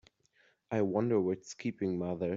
I wonder what's keeping mother?